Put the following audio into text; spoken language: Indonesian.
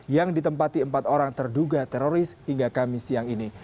yang ditempati empat orang terduga teroris hingga kamis siang ini